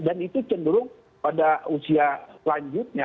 dan itu cenderung pada usia lanjutnya